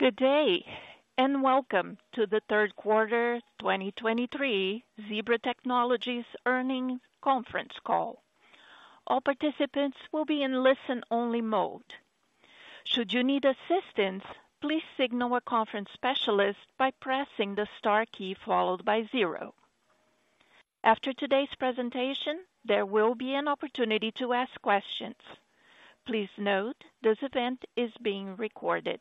Good day, and welcome to the Third Quarter 2023 Zebra Technologies Earnings Conference Call. All participants will be in listen-only mode. Should you need assistance, please signal a conference specialist by pressing the star key followed by zero. After today's presentation, there will be an opportunity to ask questions. Please note, this event is being recorded.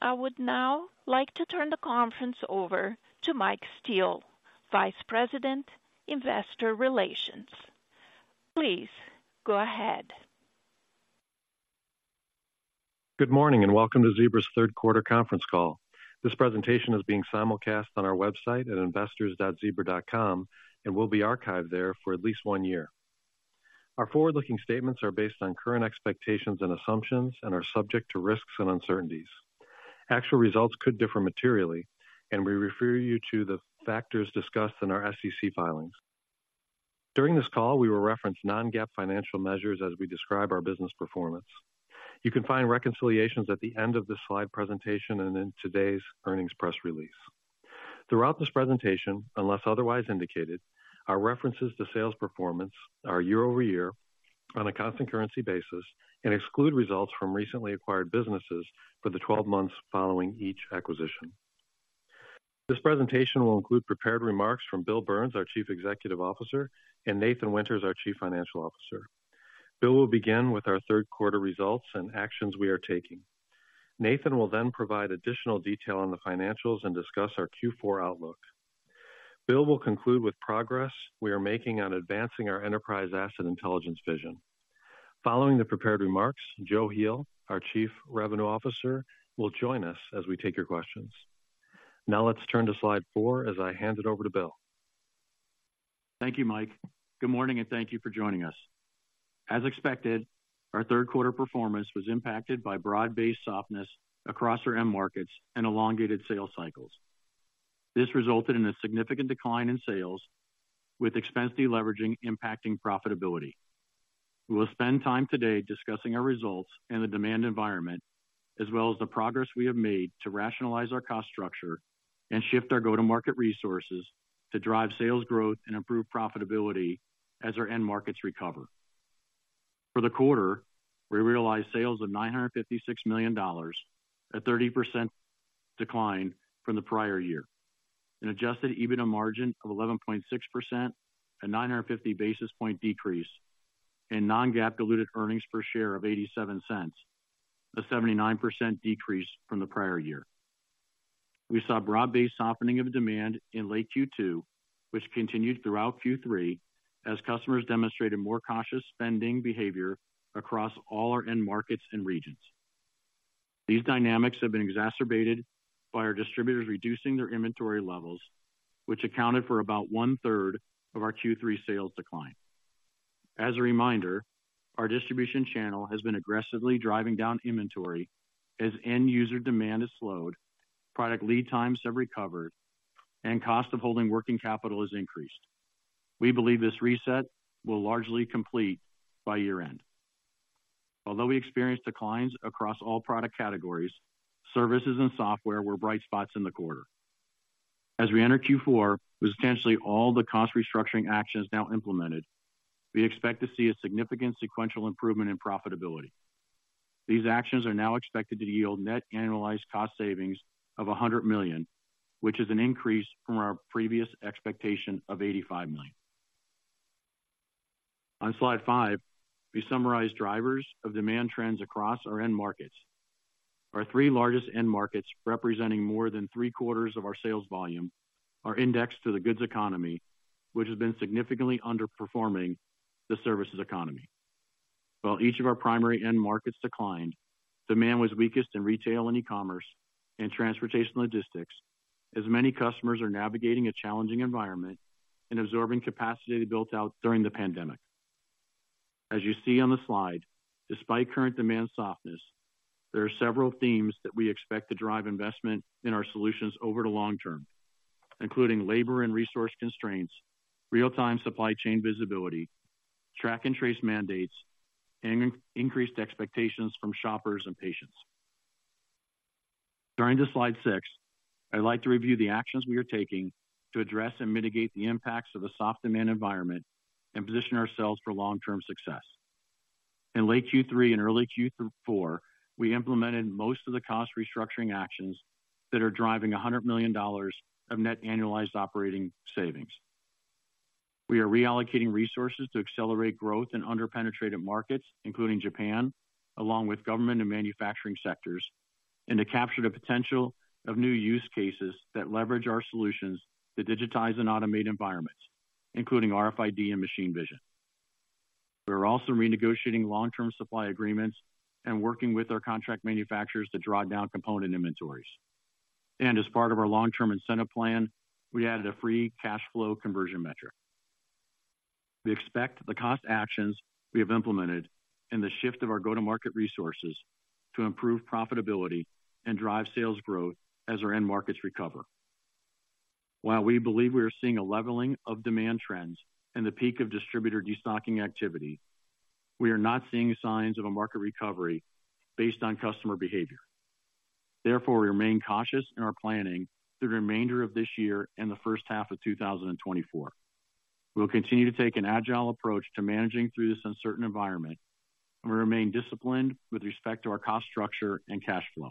I would now like to turn the conference over to Mike Steele, Vice President, Investor Relations. Please go ahead. Good morning, and welcome to Zebra's Third Quarter Conference Call. This presentation is being simulcast on our website at investors.zebra.com, and will be archived there for at least one year. Our forward-looking statements are based on current expectations and assumptions and are subject to risks and uncertainties. Actual results could differ materially, and we refer you to the factors discussed in our SEC filings. During this call, we will reference non-GAAP financial measures as we describe our business performance. You can find reconciliations at the end of this slide presentation and in today's earnings press release. Throughout this presentation, unless otherwise indicated, our references to sales performance are year-over-year on a constant currency basis and exclude results from recently acquired businesses for the 12 months following each acquisition. This presentation will include prepared remarks from Bill Burns, our Chief Executive Officer, and Nathan Winters, our Chief Financial Officer. Bill will begin with our third quarter results and actions we are taking. Nathan will then provide additional detail on the financials and discuss our Q4 outlook. Bill will conclude with progress we are making on advancing our Enterprise Asset Intelligence vision. Following the prepared remarks, Joe Heel, our Chief Revenue Officer, will join us as we take your questions. Now let's turn to slide four as I hand it over to Bill. Thank you, Mike. Good morning, and thank you for joining us. As expected, our third quarter performance was impacted by broad-based softness across our end markets and elongated sales cycles. This resulted in a significant decline in sales, with expense deleveraging impacting profitability. We will spend time today discussing our results and the demand environment, as well as the progress we have made to rationalize our cost structure and shift our go-to-market resources to drive sales growth and improve profitability as our end markets recover. For the quarter, we realized sales of $956 million, a 30% decline from the prior year, an adjusted EBITDA margin of 11.6%, a 950 basis point decrease, and non-GAAP diluted earnings per share of $0.87, a 79% decrease from the prior year. We saw broad-based softening of demand in late Q2, which continued throughout Q3 as customers demonstrated more cautious spending behavior across all our end markets and regions. These dynamics have been exacerbated by our distributors reducing their inventory levels, which accounted for about 1/3 of our Q3 sales decline. As a reminder, our distribution channel has been aggressively driving down inventory as end user demand has slowed, product lead times have recovered, and cost of holding working capital has increased. We believe this reset will largely complete by year-end. Although we experienced declines across all product categories, services and software were bright spots in the quarter. As we enter Q4, with essentially all the cost restructuring actions now implemented, we expect to see a significant sequential improvement in profitability. These actions are now expected to yield net annualized cost savings of $100 million, which is an increase from our previous expectation of $85 million. On slide 5, we summarize drivers of demand trends across our end markets. Our three largest end markets, representing more than three-quarters of our sales volume, are indexed to the goods economy, which has been significantly underperforming the services economy. While each of our primary end markets declined, demand was weakest in retail and e-commerce and transportation logistics, as many customers are navigating a challenging environment and absorbing capacity built out during the pandemic. As you see on the slide, despite current demand softness, there are several themes that we expect to drive investment in our solutions over the long term, including labor and resource constraints, real-time supply chain visibility, track and trace mandates, and increased expectations from shoppers and patients. Turning to slide 6, I'd like to review the actions we are taking to address and mitigate the impacts of the soft demand environment and position ourselves for long-term success. In late Q3 and early Q4, we implemented most of the cost restructuring actions that are driving $100 million of net annualized operating savings. We are reallocating resources to accelerate growth in underpenetrated markets, including Japan, along with government and manufacturing sectors, and to capture the potential of new use cases that leverage our solutions to digitize and automate environments, including RFID and Machine Vision. We are also renegotiating long-term supply agreements and working with our contract manufacturers to draw down component inventories. As part of our long-term incentive plan, we added a Free Cash Flow Conversion metric. We expect the cost actions we have implemented and the shift of our go-to-market resources to improve profitability and drive sales growth as our end markets recover. While we believe we are seeing a leveling of demand trends and the peak of distributor destocking activity, we are not seeing signs of a market recovery based on customer behavior. Therefore, we remain cautious in our planning through the remainder of this year and the first half of 2024. We'll continue to take an agile approach to managing through this uncertain environment, and we remain disciplined with respect to our cost structure and cash flow.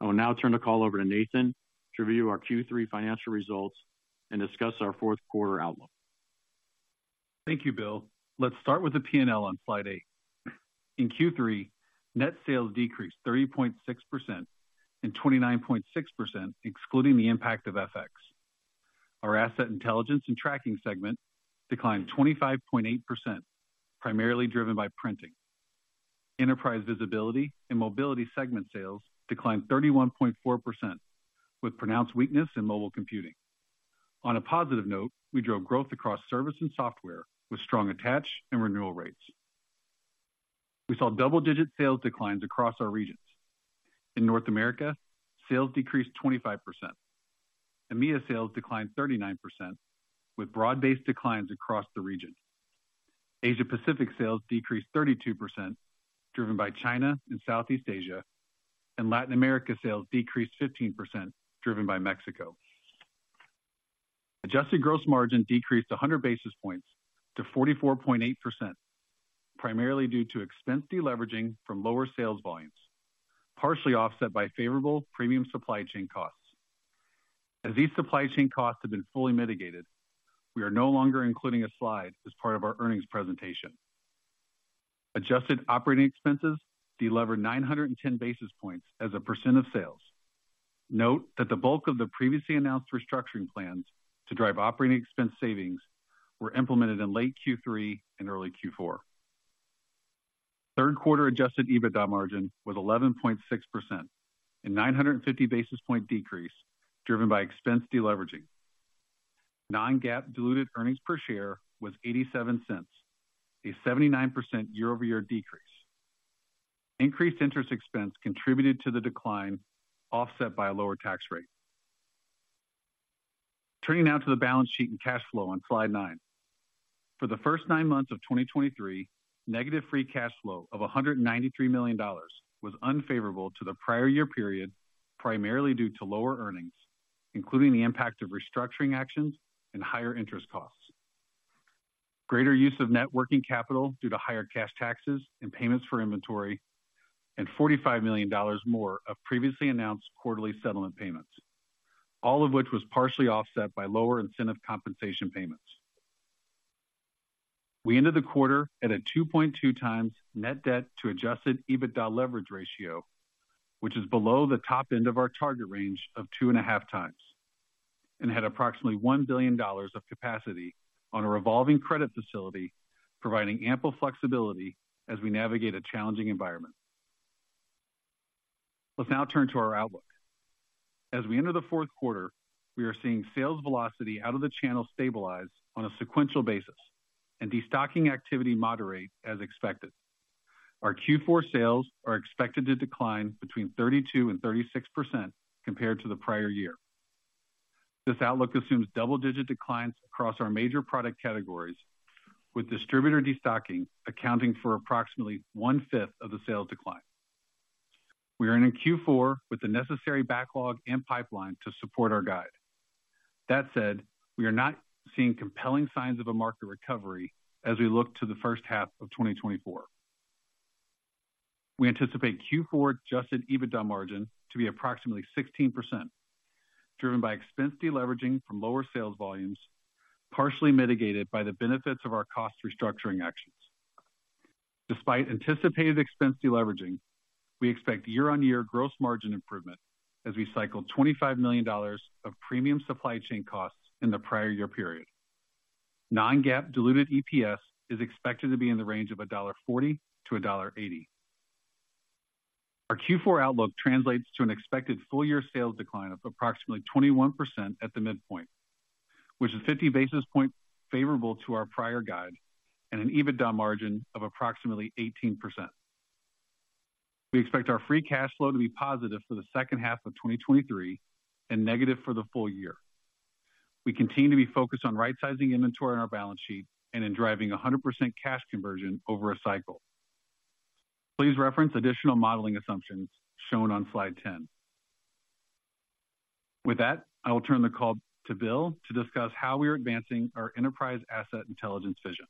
I will now turn the call over to Nathan to review our Q3 Financial Results and discuss our fourth quarter outlook. Thank you, Bill. Let's start with the P&L on slide 8. In Q3, net sales decreased 30.6% and 29.6%, excluding the impact of FX. Our Asset Intelligence and Tracking segment declined 25.8%, primarily driven by printing. Enterprise Visibility and Mobility segment sales declined 31.4%, with pronounced weakness in mobile computing. On a positive note, we drove growth across service and software with strong attach and renewal rates. We saw double-digit sales declines across our regions. In North America, sales decreased 25%. EMEA sales declined 39%, with broad-based declines across the region. Asia Pacific sales decreased 32%, driven by China and Southeast Asia, and Latin America sales decreased 15%, driven by Mexico. Adjusted gross margin decreased 100 basis points to 44.8%, primarily due to expense deleveraging from lower sales volumes, partially offset by favorable premium supply chain costs. As these supply chain costs have been fully mitigated, we are no longer including a slide as part of our earnings presentation. Adjusted operating expenses delevered 910 basis points as a percent of sales. Note that the bulk of the previously announced restructuring plans to drive operating expense savings were implemented in late Q3 and early Q4. Third quarter Adjusted EBITDA margin was 11.6%, a 950 basis points decrease driven by expense deleveraging. Non-GAAP diluted earnings per share was $0.87, a 79% year-over-year decrease. Increased interest expense contributed to the decline, offset by a lower tax rate. Turning now to the balance sheet and cash flow on slide nine. For the first nine months of 2023, negative free cash flow of $193 million was unfavorable to the prior year period, primarily due to lower earnings, including the impact of restructuring actions and higher interest costs, greater use of net working capital due to higher cash taxes and payments for inventory, and $45 million more of previously announced quarterly settlement payments, all of which was partially offset by lower incentive compensation payments. We ended the quarter at a 2.2x net debt to adjusted EBITDA leverage ratio, which is below the top end of our target range of 2.5x, and had approximately $1 billion of capacity on a revolving credit facility, providing ample flexibility as we navigate a challenging environment. Let's now turn to our outlook. As we enter the fourth quarter, we are seeing sales velocity out of the channel stabilize on a sequential basis and destocking activity moderate as expected. Our Q4 sales are expected to decline between 32% and 36% compared to the prior year. This outlook assumes double-digit declines across our major product categories, with distributor destocking accounting for approximately one-fifth of the sales decline. We are in Q4 with the necessary backlog and pipeline to support our guide. That said, we are not seeing compelling signs of a market recovery as we look to the first half of 2024. We anticipate Q4 Adjusted EBITDA margin to be approximately 16%, driven by expense deleveraging from lower sales volumes, partially mitigated by the benefits of our cost restructuring actions. Despite anticipated expense deleveraging, we expect year-on-year gross margin improvement as we cycle $25 million of premium supply chain costs in the prior year period. Non-GAAP diluted EPS is expected to be in the range of $1.40-$1.80. Our Q4 outlook translates to an expected full-year sales decline of approximately 21% at the midpoint, which is 50 basis points favorable to our prior guide, and an EBITDA margin of approximately 18%. We expect our free cash flow to be positive for the second half of 2023 and negative for the full year. We continue to be focused on right-sizing inventory on our balance sheet and in driving 100% cash conversion over a cycle. Please reference additional modeling assumptions shown on slide 10. With that, I will turn the call to Bill to discuss how we are advancing our Enterprise Asset Intelligence vision.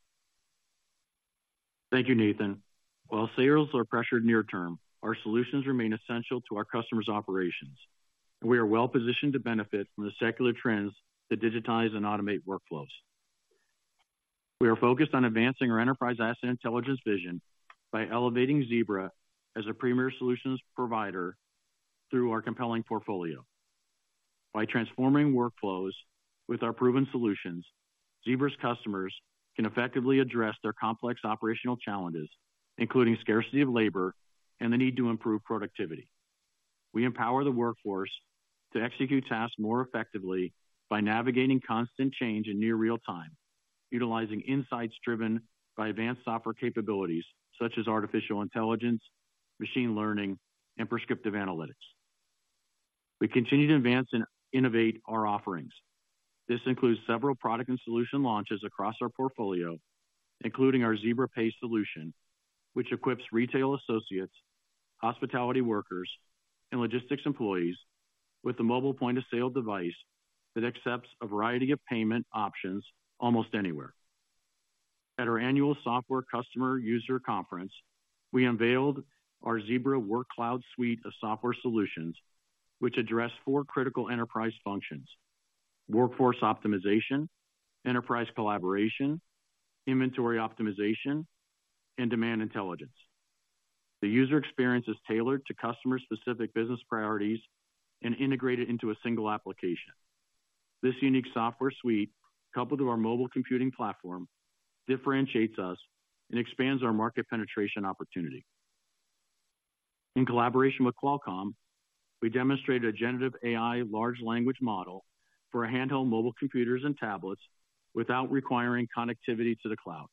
Thank you, Nathan. While sales are pressured near term, our solutions remain essential to our customers' operations, and we are well positioned to benefit from the secular trends that digitize and automate workflows. We are focused on advancing our Enterprise Asset Intelligence vision by elevating Zebra as a premier solutions provider through our compelling portfolio. By transforming workflows with our proven solutions, Zebra's customers can effectively address their complex operational challenges, including scarcity of labor and the need to improve productivity. We empower the workforce to execute tasks more effectively by navigating constant change in near real time.... utilizing insights driven by advanced software capabilities, such as artificial intelligence, machine learning, and Prescriptive Analytics. We continue to advance and innovate our offerings. This includes several product and solution launches across our portfolio, including our Zebra Pay solution, which equips retail associates, hospitality workers, and logistics employees with a mobile point-of-sale device that accepts a variety of payment options almost anywhere. At our annual software customer user conference, we unveiled our Zebra Workcloud Suite of software solutions, which address four critical enterprise functions: workforce optimization, enterprise collaboration, inventory optimization, and demand intelligence. The user experience is tailored to customer-specific business priorities and integrated into a single application. This unique software suite, coupled with our mobile computing platform, differentiates us and expands our market penetration opportunity. In collaboration with Qualcomm, we demonstrated a Generative AI large language model for handheld mobile computers and tablets without requiring connectivity to the cloud.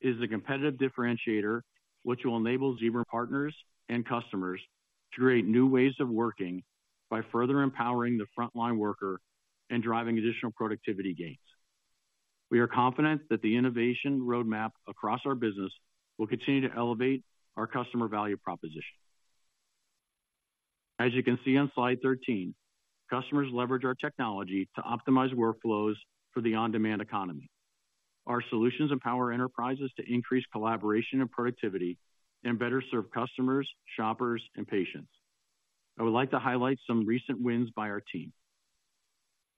It is a competitive differentiator, which will enable Zebra partners and customers to create new ways of working by further empowering the frontline worker and driving additional productivity gains. We are confident that the innovation roadmap across our business will continue to elevate our customer value proposition. As you can see on slide 13, customers leverage our technology to optimize workflows for the on-demand economy. Our solutions empower enterprises to increase collaboration and productivity and better serve customers, shoppers, and patients. I would like to highlight some recent wins by our team.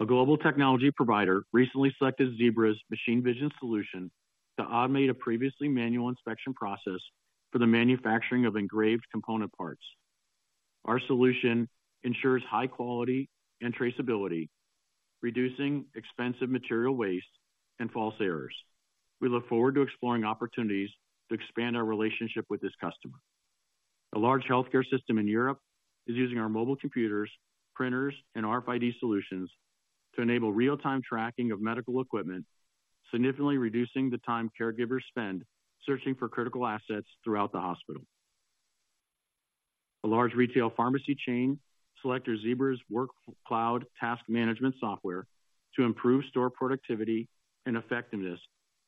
A global technology provider recently selected Zebra's Machine Vision solution to automate a previously manual inspection process for the manufacturing of engraved component parts. Our solution ensures high quality and traceability, reducing expensive material waste and false errors. We look forward to exploring opportunities to expand our relationship with this customer. A large healthcare system in Europe is using our mobile computers, printers, and RFID solutions to enable real-time tracking of medical equipment, significantly reducing the time caregivers spend searching for critical assets throughout the hospital. A large retail pharmacy chain selected Zebra Workcloud Task Management software to improve store productivity and effectiveness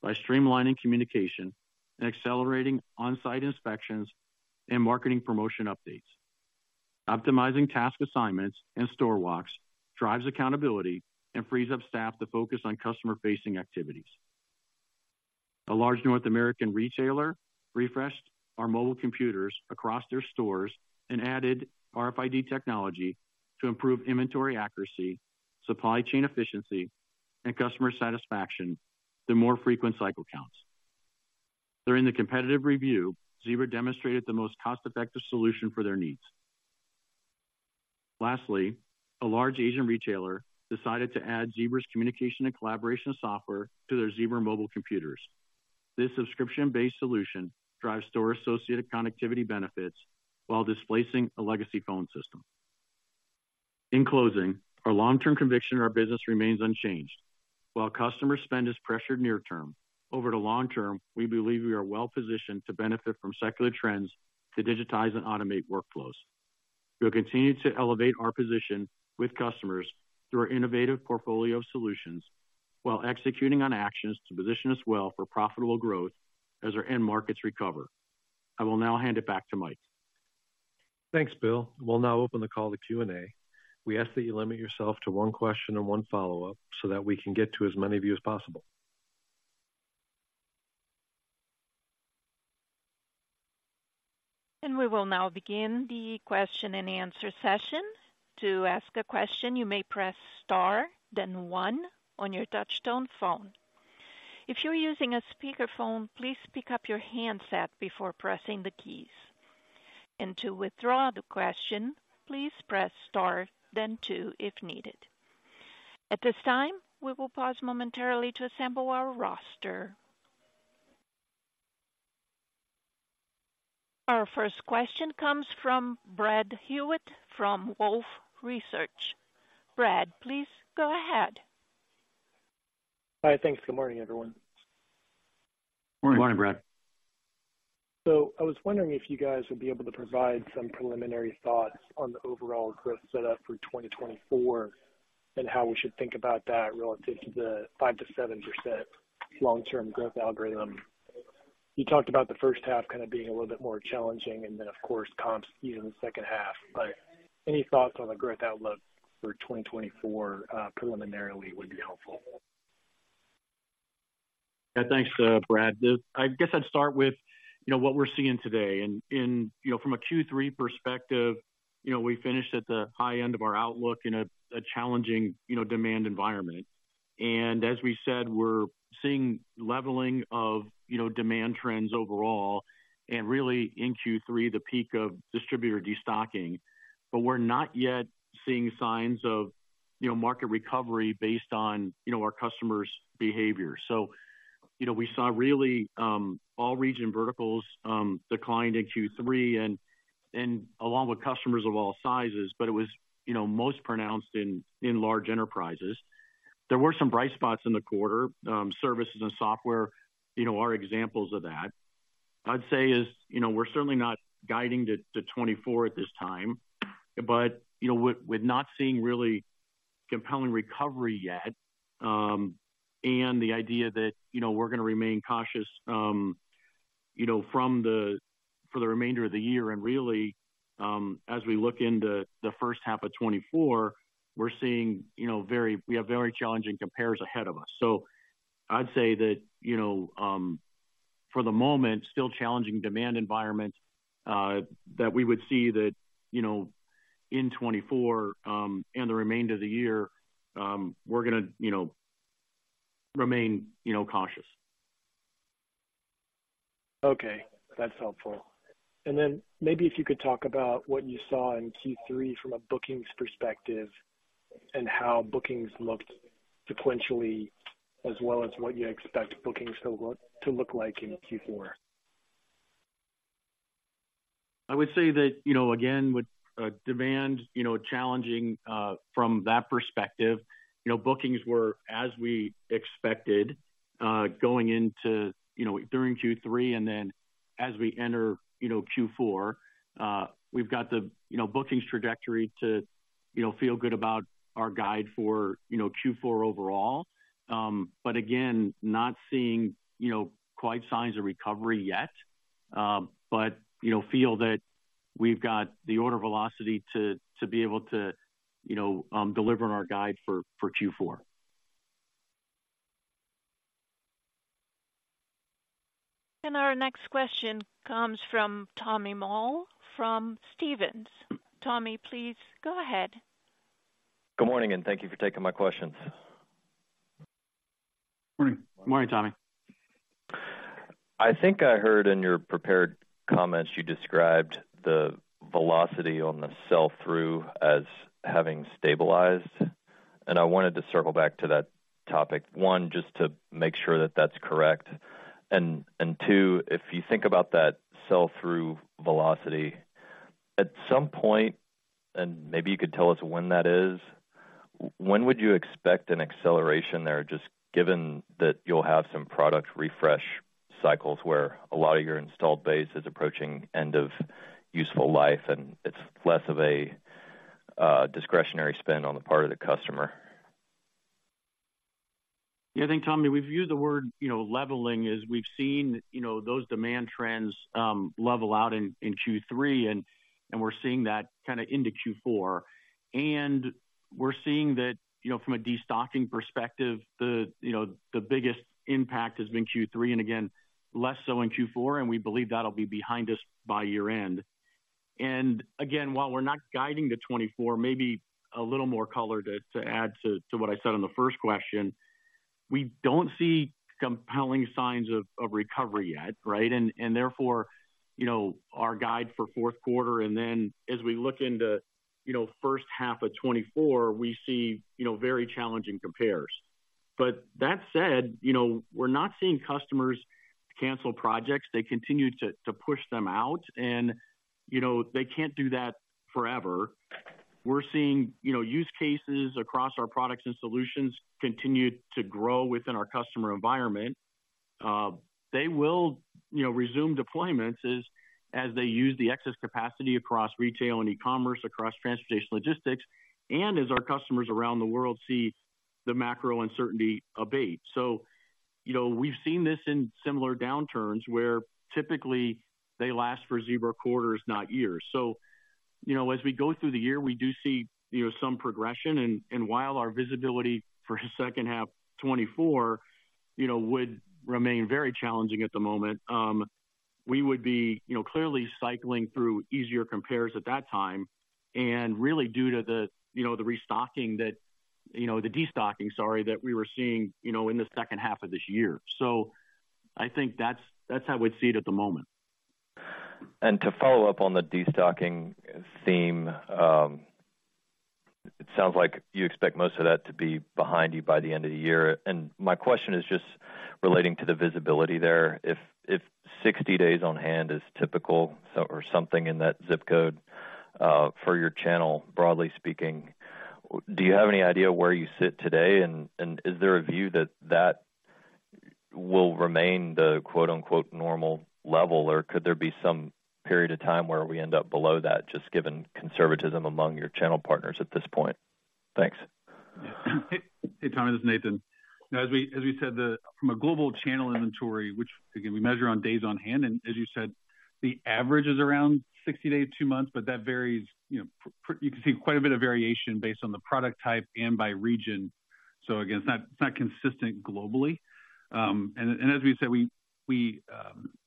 by streamlining communication and accelerating on-site inspections and marketing promotion updates. Optimizing task assignments and store walks drives accountability and frees up staff to focus on customer-facing activities. A large North American retailer refreshed our mobile computers across their stores and added RFID technology to improve inventory accuracy, supply chain efficiency, and customer satisfaction through more frequent cycle counts. During the competitive review, Zebra demonstrated the most cost-effective solution for their needs. Lastly, a large Asian retailer decided to add Zebra's Communication & Collaboration software to their Zebra mobile computers. This subscription-based solution drives store-associated connectivity benefits while displacing a legacy phone system. In closing, our long-term conviction in our business remains unchanged. While customer spend is pressured near term, over the long term, we believe we are well positioned to benefit from secular trends to digitize and automate workflows. We'll continue to elevate our position with customers through our innovative portfolio of solutions while executing on actions to position us well for profitable growth as our end markets recover. I will now hand it back to Mike. Thanks, Bill. We'll now open the call to Q&A. We ask that you limit yourself to one question and one follow-up so that we can get to as many of you as possible. We will now begin the question-and-answer session. To ask a question, you may press star, then one on your touchtone phone. If you're using a speakerphone, please pick up your handset before pressing the keys. To withdraw the question, please press star, then two, if needed. At this time, we will pause momentarily to assemble our roster. Our first question comes from Brad Hewitt, from Wolfe Research. Brad, please go ahead. Hi. Thanks. Good morning, everyone. Good morning, Brad. So I was wondering if you guys would be able to provide some preliminary thoughts on the overall growth set up for 2024, and how we should think about that relative to the 5%-7% long-term growth algorithm. You talked about the first half kind of being a little bit more challenging, and then, of course, comps even in the second half, but any thoughts on the growth outlook for 2024, preliminarily, would be helpful. Yeah, thanks, Brad. I guess I'd start with, you know, what we're seeing today. And in, you know, from a Q3 perspective, you know, we finished at the high end of our outlook in a challenging, you know, demand environment. And as we said, we're seeing leveling of, you know, demand trends overall, and really in Q3, the peak of distributor destocking. But we're not yet seeing signs of, you know, market recovery based on, you know, our customers' behavior. So. You know, we saw really all region verticals declined in Q3 and along with customers of all sizes, but it was, you know, most pronounced in large enterprises. There were some bright spots in the quarter, services and software, you know, are examples of that. I'd say is, you know, we're certainly not guiding to 2024 at this time, but, you know, with not seeing really compelling recovery yet, and the idea that, you know, we're going to remain cautious, you know, for the remainder of the year. And really, as we look into the first half of 2024, we're seeing, you know, we have very challenging compares ahead of us. So I'd say that, you know, for the moment, still challenging demand environment, that we would see that, you know, in 2024, and the remainder of the year, we're gonna, you know, remain, you know, cautious. Okay, that's helpful. And then maybe if you could talk about what you saw in Q3 from a bookings perspective and how bookings looked sequentially, as well as what you expect bookings to look like in Q4. I would say that, you know, again, with demand, you know, challenging from that perspective, you know, bookings were as we expected going into, you know, during Q3 and then as we enter, you know, Q4, we've got the, you know, bookings trajectory to, you know, feel good about our guide for, you know, Q4 overall. But again, not seeing, you know, quite signs of recovery yet, but, you know, feel that we've got the order velocity to, to be able to, you know, deliver on our guide for, for Q4. Our next question comes from Tommy Moll, from Stephens. Tommy, please go ahead. Good morning, and thank you for taking my questions. Morning. Morning, Tommy. I think I heard in your prepared comments, you described the velocity on the sell-through as having stabilized, and I wanted to circle back to that topic. One, just to make sure that that's correct. And, and two, if you think about that sell-through velocity, at some point, and maybe you could tell us when that is, when would you expect an acceleration there, just given that you'll have some product refresh cycles where a lot of your installed base is approaching end of useful life, and it's less of a discretionary spend on the part of the customer? Yeah, I think, Tommy, we've used the word, you know, leveling, as we've seen, you know, those demand trends, level out in Q3, and we're seeing that kinda into Q4. And we're seeing that, you know, from a destocking perspective, you know, the biggest impact has been Q3, and again, less so in Q4, and we believe that'll be behind us by year-end. And again, while we're not guiding to 2024, maybe a little more color to add to what I said on the first question. We don't see compelling signs of recovery yet, right? And therefore, you know, our guide for fourth quarter, and then as we look into, you know, first half of 2024, we see, you know, very challenging compares. But that said, you know, we're not seeing customers cancel projects. They continue to, to push them out, and, you know, they can't do that forever. We're seeing, you know, use cases across our products and solutions continue to grow within our customer environment. They will, you know, resume deployments as, as they use the excess capacity across retail and e-commerce, across transportation and logistics, and as our customers around the world see the macro uncertainty abate. So, you know, we've seen this in similar downturns, where typically they last for Zebra quarters, not years. So, you know, as we go through the year, we do see, you know, some progression, and while our visibility for second half 2024, you know, would remain very challenging at the moment, we would be, you know, clearly cycling through easier compares at that time, and really due to the, you know, the restocking that, you know, the destocking, sorry, that we were seeing, you know, in the second half of this year. So I think that's how we'd see it at the moment. And to follow up on the destocking theme, it sounds like you expect most of that to be behind you by the end of the year. And my question is just relating to the visibility there. If 60 days on hand is typical, so, or something in that zip code, for your channel, broadly speaking, do you have any idea where you sit today? And is there a view that that will remain the quote-unquote normal level, or could there be some period of time where we end up below that, just given conservatism among your channel partners at this point? Thanks. Hey, Tommy, this is Nathan. Now, as we said, from a global channel inventory, which again, we measure on days on hand, and as you said, the average is around 60 days, two months, but that varies. You know, you can see quite a bit of variation based on the product type and by region. So again, it's not, it's not consistent globally. And as we said, we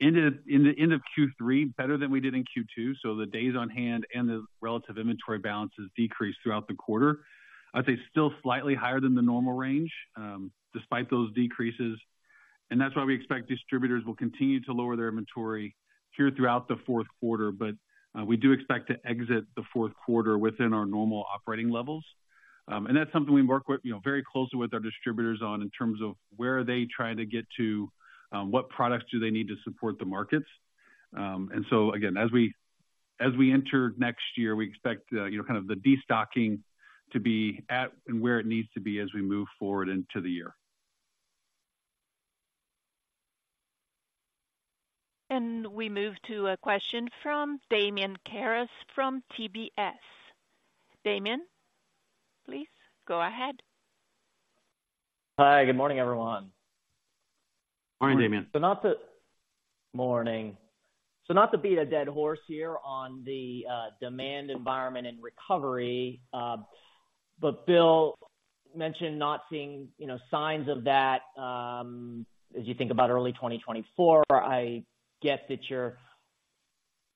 ended in the end of Q3 better than we did in Q2, so the days on hand and the relative inventory balances decreased throughout the quarter. I'd say still slightly higher than the normal range, despite those decreases, and that's why we expect distributors will continue to lower their inventory here throughout the fourth quarter. But we do expect to exit the fourth quarter within our normal operating levels. And that's something we work with, you know, very closely with our distributors on in terms of where are they trying to get to, what products do they need to support the markets? And so again, as we, as we enter next year, we expect, you know, kind of the destocking to be at and where it needs to be as we move forward into the year. We move to a question from Damian Karas from UBS. Damian, please go ahead. Hi, good morning, everyone. Morning, Damian. Morning. So not to beat a dead horse here on the demand environment and recovery, but Bill mentioned not seeing, you know, signs of that, as you think about early 2024, I guess that you're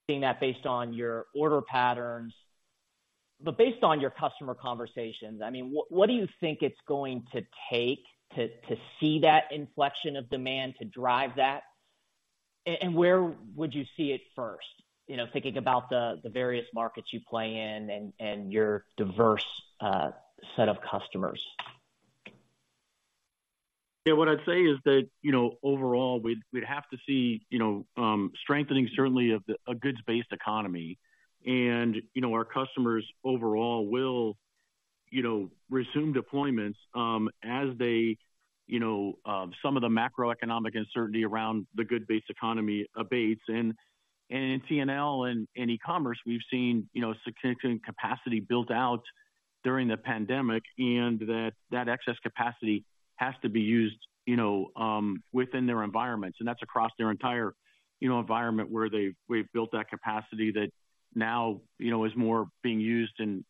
seeing that based on your order patterns. But based on your customer conversations, I mean, what do you think it's going to take to see that inflection of demand to drive that? And where would you see it first? You know, thinking about the various markets you play in and your diverse set of customers. Yeah, what I'd say is that, you know, overall, we'd have to see, you know, strengthening certainly of the goods-based economy. And, you know, our customers overall will, you know, resume deployments, as they, you know, some of the macroeconomic uncertainty around the goods-based economy abates. And in T&L and e-commerce, we've seen, you know, significant capacity built out during the pandemic, and that excess capacity has to be used, you know, within their environments. And that's across their entire, you know, environment where we've built that capacity that now, you know, is more being used and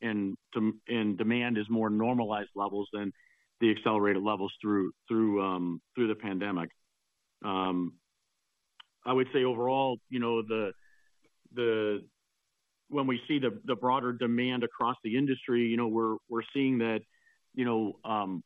demand is more normalized levels than the accelerated levels through the pandemic. I would say overall, you know, when we see the broader demand across the industry, you know, we're seeing that, you know,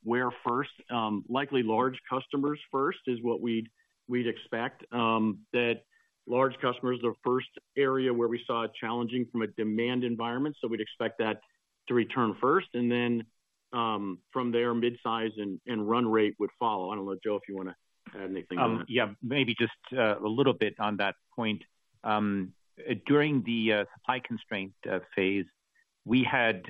likely large customers first is what we'd expect. That large customers are the first area where we saw it challenging from a demand environment, so we'd expect that to return first, and then from there, midsize and run rate would follow. I don't know, Joe, if you want to add anything on that. Yeah, maybe just a little bit on that point. During the supply constraint phase, we had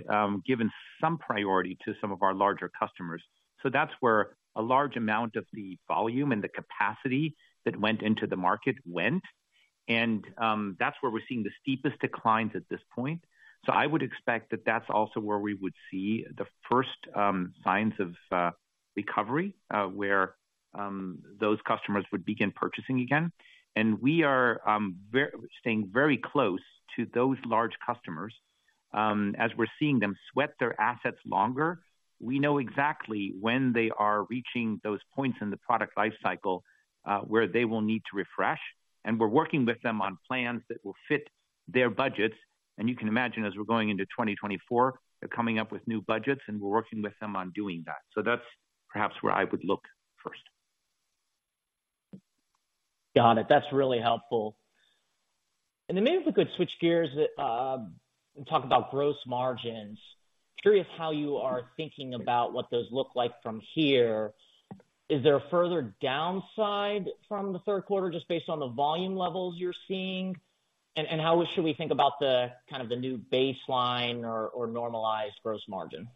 given some priority to some of our larger customers. So that's where a large amount of the volume and the capacity that went into the market went, and that's where we're seeing the steepest declines at this point. So I would expect that that's also where we would see the first signs of recovery, where those customers would begin purchasing again. And we are staying very close to those large customers, as we're seeing them sweat their assets longer. We know exactly when they are reaching those points in the product life cycle, where they will need to refresh, and we're working with them on plans that will fit their budgets. You can imagine, as we're going into 2024, they're coming up with new budgets, and we're working with them on doing that. That's perhaps where I would look first. Got it. That's really helpful. And then maybe if we could switch gears and talk about gross margins. Curious how you are thinking about what those look like from here. Is there a further downside from the third quarter, just based on the volume levels you're seeing? And how should we think about the kind of new baseline or normalized gross margin?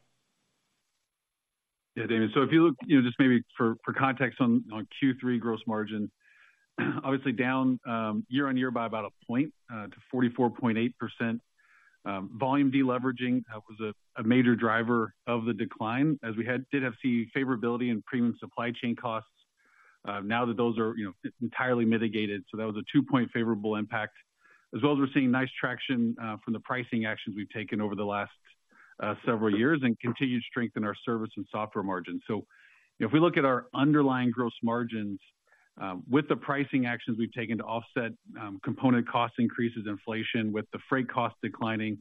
Yeah, Damian, so if you look, you know, just maybe for context on Q3 gross margin, obviously down year-on-year by about a point to 44.8%. Volume deleveraging was a major driver of the decline, as we had some favorability in premium supply chain costs, now that those are, you know, entirely mitigated. So that was a two-point favorable impact. As well as we're seeing nice traction from the pricing actions we've taken over the last several years and continued to strengthen our service and software margins. So if we look at our underlying gross margins, with the pricing actions we've taken to offset, component cost increases, inflation, with the freight costs declining,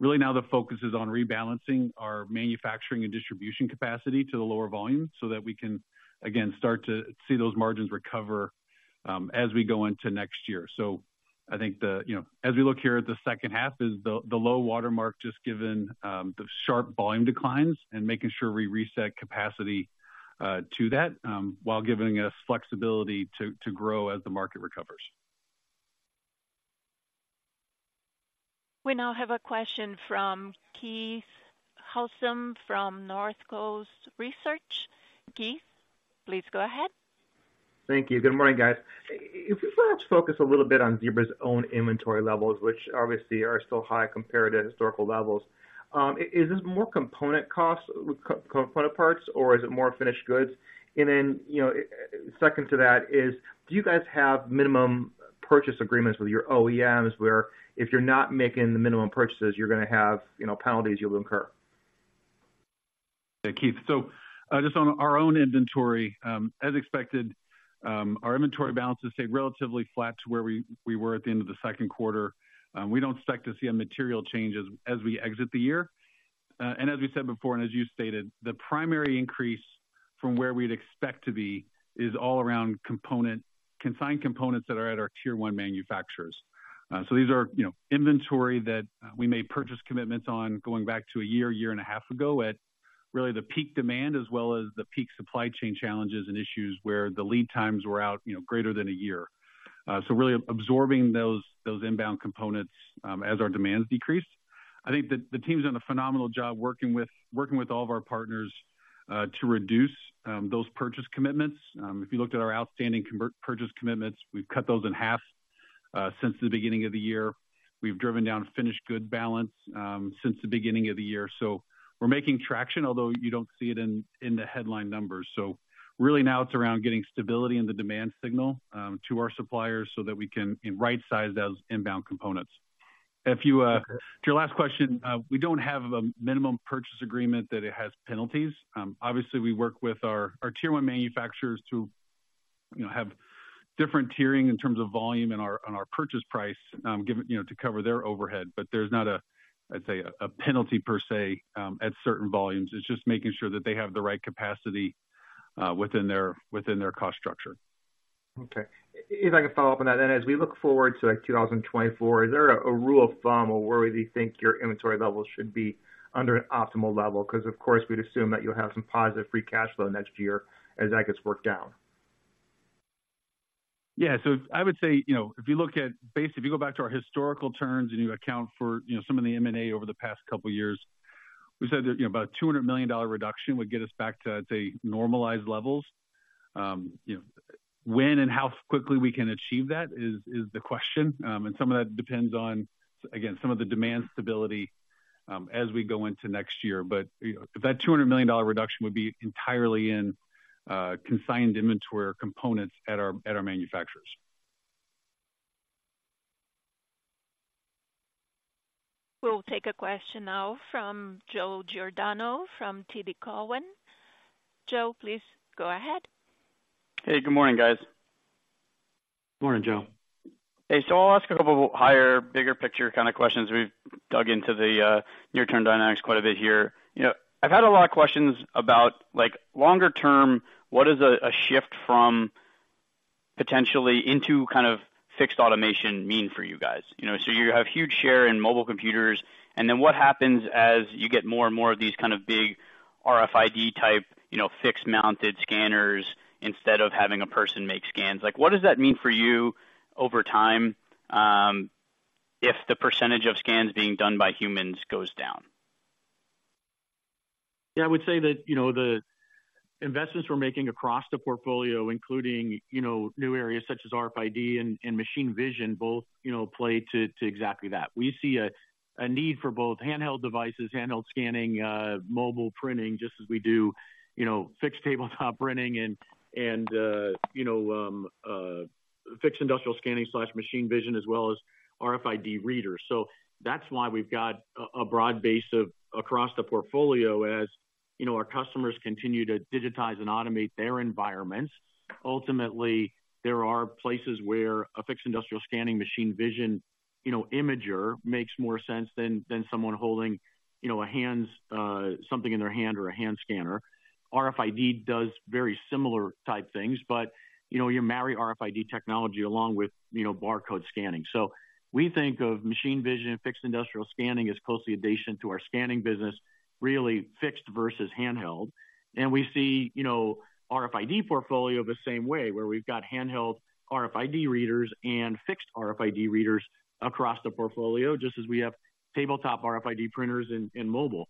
really now the focus is on rebalancing our manufacturing and distribution capacity to the lower volume so that we can, again, start to see those margins recover, as we go into next year. So I think the, you know, as we look here at the second half, is the low water mark, just given, the sharp volume declines and making sure we reset capacity, to that, while giving us flexibility to grow as the market recovers. We now have a question from Keith Housum from Northcoast Research. Keith, please go ahead. Thank you. Good morning, guys. If we could perhaps focus a little bit on Zebra's own inventory levels, which obviously are still high compared to historical levels. Is this more component costs, co-component parts, or is it more finished goods? And then, you know, second to that is, do you guys have minimum purchase agreements with your OEMs, where if you're not making the minimum purchases, you're gonna have, you know, penalties you'll incur? Yeah, Keith. So, just on our own inventory, as expected, our inventory balances stayed relatively flat to where we were at the end of the second quarter. We don't expect to see a material change as we exit the year. And as we said before, and as you stated, the primary increase from where we'd expect to be is all around consigned components that are at our tier one manufacturers. So these are, you know, inventory that we made purchase commitments on going back to a year and a half ago, at really the peak demand, as well as the peak supply chain challenges and issues where the lead times were out, you know, greater than a year. So really absorbing those inbound components as our demands decrease. I think that the team's done a phenomenal job working with, working with all of our partners, to reduce, those purchase commitments. If you looked at our outstanding convert- purchase commitments, we've cut those in half, since the beginning of the year. We've driven down finished good balance, since the beginning of the year. So we're making traction, although you don't see it in, in the headline numbers. So really now it's around getting stability in the demand signal, to our suppliers so that we can right-size those inbound components. If you, to your last question, we don't have a minimum purchase agreement that it has penalties. Obviously, we work with our, our tier one manufacturers to, you know, have different tiering in terms of volume on our, on our purchase price, give, you know, to cover their overhead. But there's not, I'd say, a penalty per se at certain volumes. It's just making sure that they have the right capacity within their cost structure. Okay. If I can follow up on that, then as we look forward to, like, 2024, is there a rule of thumb or where we think your inventory levels should be under an optimal level? Because, of course, we'd assume that you'll have some positive free cash flow next year as that gets worked out. Yeah. So I would say, you know, if you look at basically, if you go back to our historical terms and you account for, you know, some of the M&A over the past couple of years, we said that, you know, about $200 million reduction would get us back to, I'd say, normalized levels. You know, when and how quickly we can achieve that is the question. And some of that depends on, again, some of the demand stability as we go into next year. But, you know, that $200 million reduction would be entirely in consigned inventory components at our manufacturers. We'll take a question now from Joe Giordano, from TD Cowen. Joe, please go ahead. Hey, good morning, guys. Morning, Joe. Hey, so I'll ask a couple higher, bigger picture kind of questions. We've dug into the near-term dynamics quite a bit here. You know, I've had a lot of questions about, like, longer term, what is a, a shift from potentially into kind of fixed automation mean for you guys? You know, so you have huge share in mobile computers, and then what happens as you get more and more of these kind of big RFID type, you know, fixed mounted scanners instead of having a person make scans? Like, what does that mean for you over time, if the percentage of scans being done by humans goes down? Yeah, I would say that, you know, the investments we're making across the portfolio, including, you know, new areas such as RFID and Machine Vision, both, you know, play to exactly that. We see a need for both handheld devices, handheld scanning, mobile printing, just as we do, you know, fixed tabletop printing and Fixed Industrial Scanning/Machine Vision, as well as RFID readers. So that's why we've got a broad base of across the portfolio. As you know, our customers continue to digitize and automate their environments. Ultimately, there are places where a Fixed Industrial Scanning Machine Vision, you know, imager makes more sense than someone holding, you know, a hands something in their hand or a hand scanner. RFID does very similar type things, but, you know, you marry RFID technology along with, you know, barcode scanning. So we think of Machine Vision and Fixed Industrial Scanning as a close addition to our scanning business, really fixed versus handheld. And we see, you know, RFID portfolio the same way, where we've got handheld RFID readers and fixed RFID readers across the portfolio, just as we have tabletop RFID printers in mobile.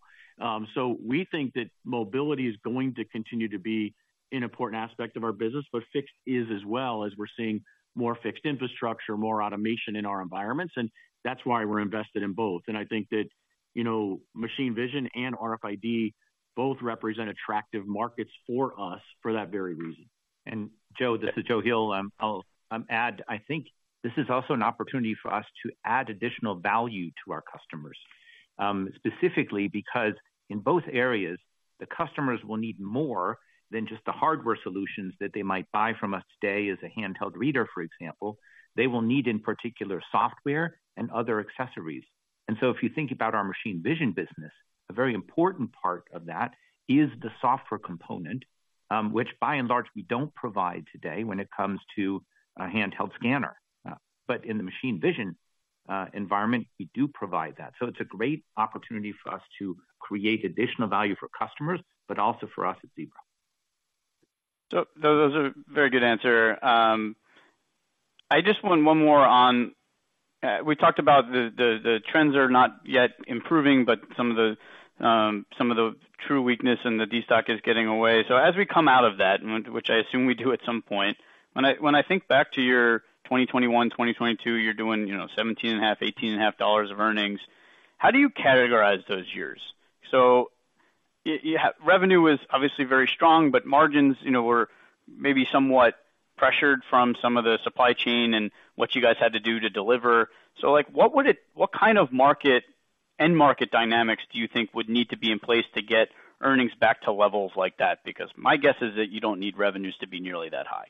So we think that mobility is going to continue to be an important aspect of our business, but fixed is as well, as we're seeing more fixed infrastructure, more automation in our environments, and that's why we're invested in both. And I think that, you know, Machine Vision and RFID both represent attractive markets for us for that very reason. And Joe, this is Joe Heel. I'll add. I think this is also an opportunity for us to add additional value to our customers, specifically because in both areas, the customers will need more than just the hardware solutions that they might buy from us today as a handheld reader, for example. They will need, in particular, software and other accessories. And so if you think about our Machine Vision business, a very important part of that is the software component, which by and large, we don't provide today when it comes to a handheld scanner. But in the Machine Vision environment, we do provide that. So it's a great opportunity for us to create additional value for customers, but also for us at Zebra. So those are very good answer. I just want one more on. We talked about the trends are not yet improving, but some of the true weakness in the destocking is getting away. So as we come out of that, which I assume we do at some point, when I think back to your 2021, 2022, you're doing, you know, $17.5, $18.5 of earnings, how do you categorize those years? So you have. Revenue was obviously very strong, but margins, you know, were maybe somewhat pressured from some of the supply chain and what you guys had to do to deliver. Like, what kind of market, end market dynamics do you think would need to be in place to get earnings back to levels like that? Because my guess is that you don't need revenues to be nearly that high.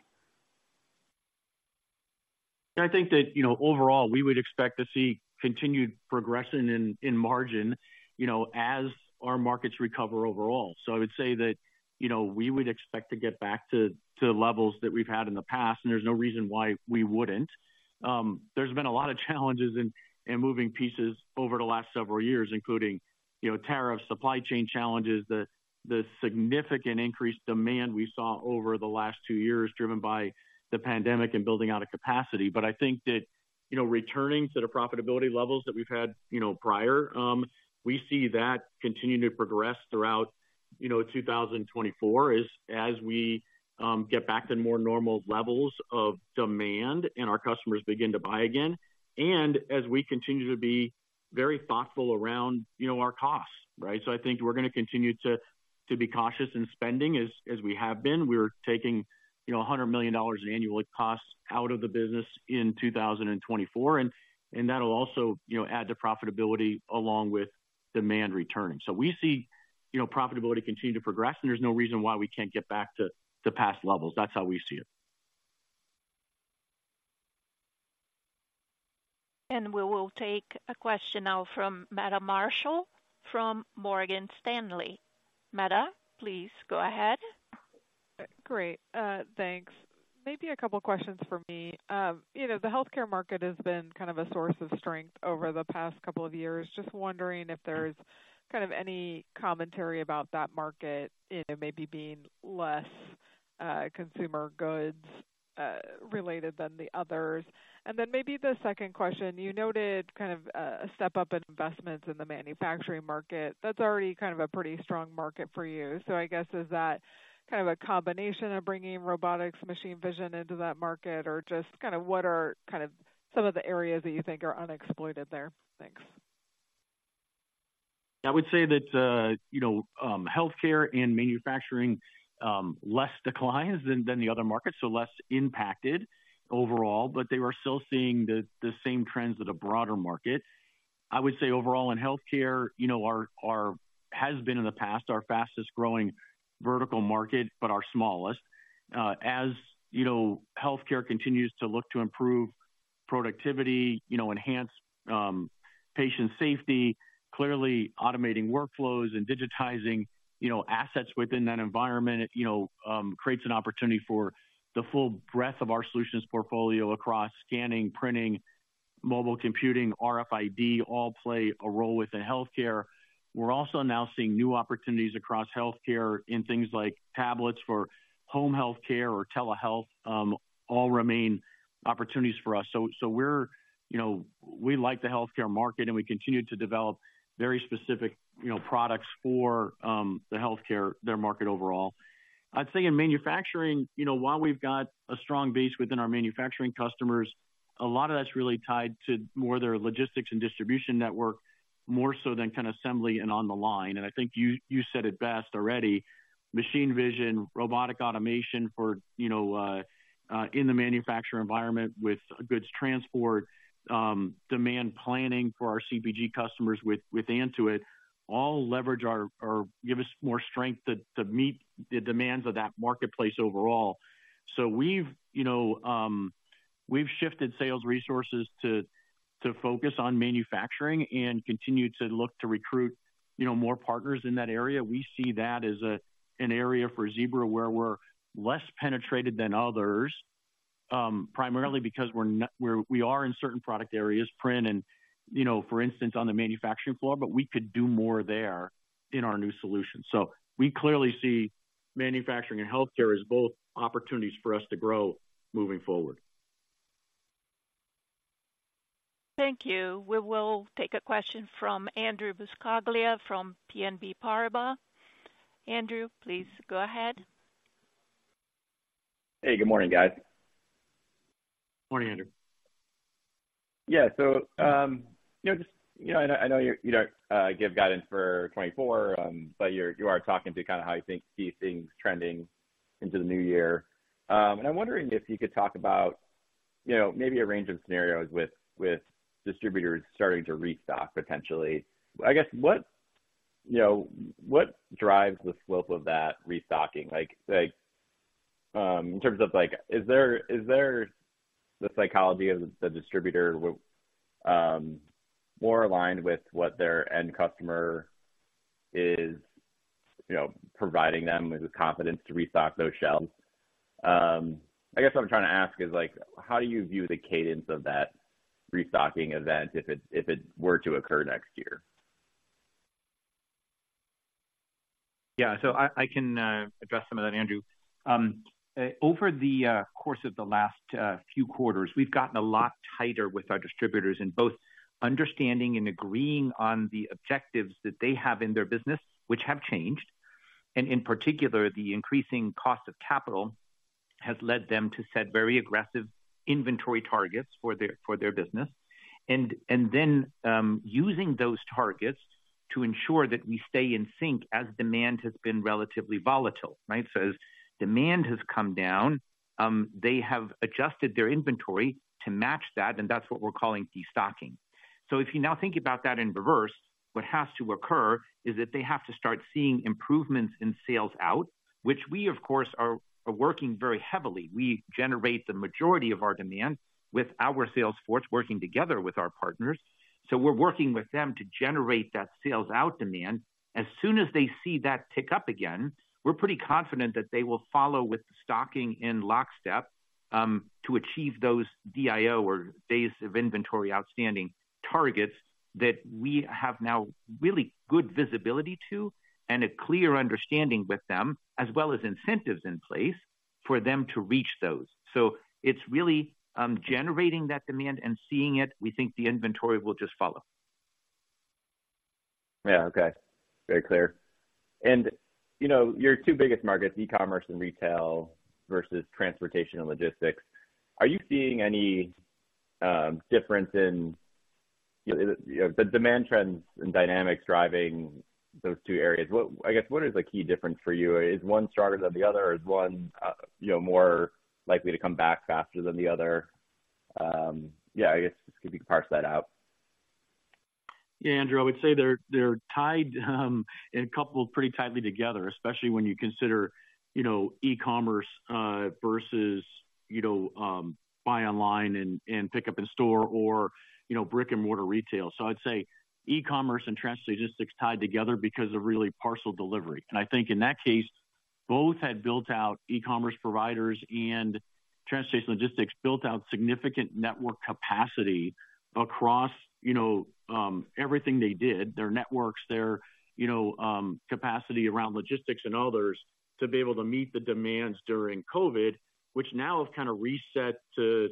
I think that, you know, overall, we would expect to see continued progression in, in margin, you know, as our markets recover overall. So I would say that, you know, we would expect to get back to, to levels that we've had in the past, and there's no reason why we wouldn't. There's been a lot of challenges in, in moving pieces over the last several years, including, you know, tariffs, supply chain challenges, the, the significant increased demand we saw over the last two years, driven by the pandemic and building out of capacity. But I think that, you know, returning to the profitability levels that we've had, you know, prior, we see that continuing to progress throughout, you know, 2024 as we get back to more normal levels of demand and our customers begin to buy again, and as we continue to be very thoughtful around, you know, our costs, right? So I think we're going to continue to be cautious in spending as we have been. We're taking, you know, $100 million in annual costs out of the business in 2024, and that'll also, you know, add to profitability along with demand returning. So we see, you know, profitability continue to progress, and there's no reason why we can't get back to past levels. That's how we see it. We will take a question now from Meta Marshall, from Morgan Stanley. Meta, please go ahead. Great. Thanks. Maybe a couple questions for me. You know, the healthcare market has been kind of a source of strength over the past couple of years. Just wondering if there's kind of any commentary about that market, it maybe being less consumer goods related than the others. And then maybe the second question, you noted kind of a step up in investments in the manufacturing market. That's already kind of a pretty strong market for you. So I guess, is that kind of a combination of bringing robotics Machine Vision into that market? Or just kind of, what are kind of some of the areas that you think are unexploited there? Thanks. I would say that, you know, healthcare and manufacturing, less declines than the other markets, so less impacted overall, but they are still seeing the same trends at a broader market. I would say overall in healthcare, you know, our has been in the past, our fastest growing vertical market, but our smallest. As you know, healthcare continues to look to improve productivity, you know, enhance patient safety, clearly automating workflows and digitizing, you know, assets within that environment, you know, creates an opportunity for the full breadth of our solutions portfolio across scanning, printing, mobile computing, RFID, all play a role within healthcare. We're also now seeing new opportunities across healthcare in things like tablets for home healthcare or telehealth, all remain opportunities for us. So we're, you know, we like the healthcare market, and we continue to develop very specific, you know, products for the healthcare market overall. I'd say in manufacturing, you know, while we've got a strong base within our manufacturing customers, a lot of that's really tied to more their logistics and distribution network, more so than kind of assembly and on the line. And I think you said it best already, Machine Vision, Robotic Automation for, you know, in the manufacturer environment with goods transport, demand planning for our CPG customers with Antuit, all leverage our, or give us more strength to meet the demands of that marketplace overall. So we've, you know, we've shifted sales resources to focus on manufacturing and continue to look to recruit, you know, more partners in that area. We see that as an area for Zebra, where we're less penetrated than others, primarily because we are in certain product areas, print and, you know, for instance, on the manufacturing floor, but we could do more there in our new solution. So we clearly see manufacturing and healthcare as both opportunities for us to grow moving forward. Thank you. We will take a question from Andrew Buscaglia from BNP Paribas. Andrew, please go ahead. Hey, good morning, guys. Morning, Andrew. Yeah, so, you know, just, you know, I know you don't give guidance for 2024, but you're talking to kind of how you think see things trending into the new year. And I'm wondering if you could talk about, you know, maybe a range of scenarios with distributors starting to restock potentially. I guess, what, you know, what drives the slope of that restocking? Like, in terms of like, is there the psychology of the distributor more aligned with what their end customer is, you know, providing them with the confidence to restock those shelves? I guess what I'm trying to ask is, like, how do you view the cadence of that restocking event if it were to occur next year? Yeah, so I can address some of that, Andrew. Over the course of the last few quarters, we've gotten a lot tighter with our distributors in both understanding and agreeing on the objectives that they have in their business, which have changed, and in particular, the increasing cost of capital has led them to set very aggressive inventory targets for their business, and then using those targets to ensure that we stay in sync as demand has been relatively volatile, right? So as demand has come down, they have adjusted their inventory to match that, and that's what we're calling destocking. So if you now think about that in reverse, what has to occur is that they have to start seeing improvements in sales out, which we, of course, are working very heavily. We generate the majority of our demand with our sales force, working together with our partners. So we're working with them to generate that sales out demand. As soon as they see that tick up again, we're pretty confident that they will follow with the stocking in lockstep, to achieve those DIO or Days of Inventory Outstanding targets that we have now really good visibility to, and a clear understanding with them, as well as incentives in place for them to reach those. So it's really, generating that demand and seeing it. We think the inventory will just follow. Yeah, okay. Very clear. And, you know, your two biggest markets, e-commerce and retail versus transportation and logistics, are you seeing any difference in, you know, the demand trends and dynamics driving those two areas? What, I guess, what is the key difference for you? Is one stronger than the other? Is one, you know, more likely to come back faster than the other? Yeah, I guess, if you could parse that out. Yeah, Andrew, I would say they're tied and coupled pretty tightly together, especially when you consider, you know, e-commerce versus, you know, buy online and pick up in store or, you know, brick-and-mortar retail. So I'd say e-commerce and transportation logistics tied together because of really parcel delivery. And I think in that case, both had built out e-commerce providers and transportation logistics, built out significant network capacity across, you know, everything they did, their networks, their, you know, capacity around logistics and others, to be able to meet the demands during COVID, which now have kind of reset to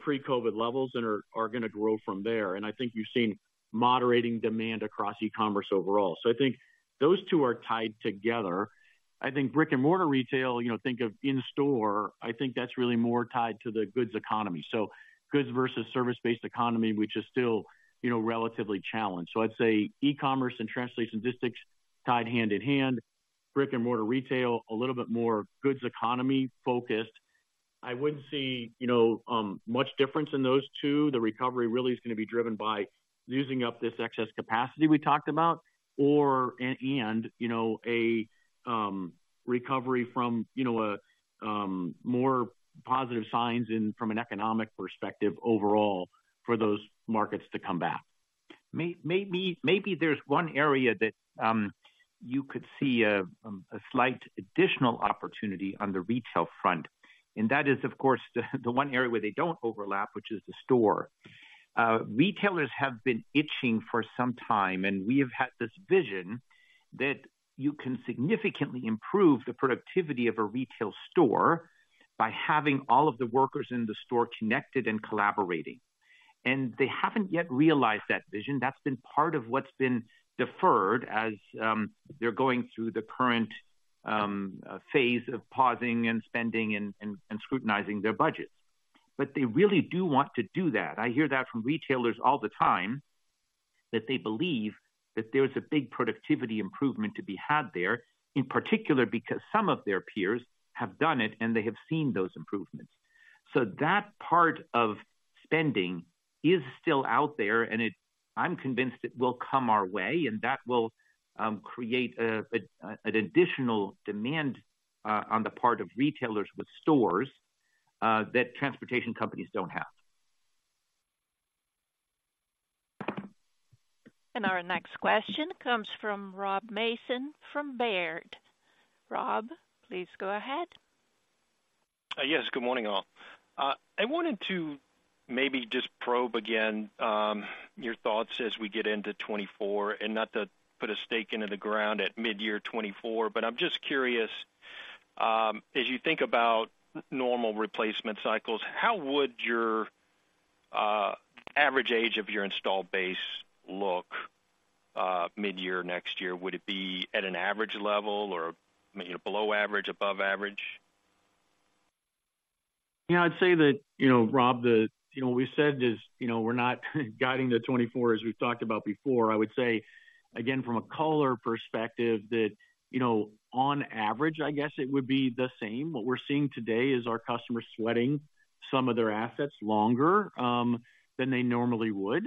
pre-COVID levels and are going to grow from there. And I think you've seen moderating demand across e-commerce overall. So I think those two are tied together. I think brick-and-mortar retail, you know, think of in-store, I think that's really more tied to the goods economy. So goods versus service-based economy, which is still, you know, relatively challenged. So I'd say e-commerce and transportation logistics tied hand-in-hand, brick-and-mortar retail, a little bit more goods economy focused. I wouldn't see, you know, much difference in those two. The recovery really is going to be driven by using up this excess capacity we talked about, or a recovery from, you know, more positive signs from an economic perspective overall for those markets to come back. Maybe there's one area that you could see a slight additional opportunity on the retail front, and that is, of course, the one area where they don't overlap, which is the store. Retailers have been itching for some time, and we have had this vision that you can significantly improve the productivity of a retail store by having all of the workers in the store connected and collaborating. And they haven't yet realized that vision. That's been part of what's been deferred as they're going through the current phase of pausing and spending and scrutinizing their budgets. But they really do want to do that. I hear that from retailers all the time, that they believe that there is a big productivity improvement to be had there, in particular, because some of their peers have done it, and they have seen those improvements. So that part of spending is still out there, and it, I'm convinced it will come our way, and that will create an additional demand on the part of retailers with stores that transportation companies don't have. Our next question comes from Rob Mason from Baird. Rob, please go ahead. Yes, good morning, all. I wanted to maybe just probe again, your thoughts as we get into 2024, and not to put a stake into the ground at midyear 2024, but I'm just curious, as you think about normal replacement cycles, how would your average age of your installed base look, midyear next year? Would it be at an average level or, you know, below average, above average? Yeah, I'd say that, you know, Rob. You know, we said is, you know, we're not guiding to 2024, as we've talked about before. I would say, again, from a color perspective, that, you know, on average, I guess it would be the same. What we're seeing today is our customers sweating some of their assets longer than they normally would.